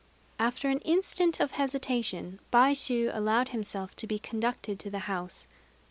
After an instant of hesitation, Baishû allowed himself to be conducted to the house.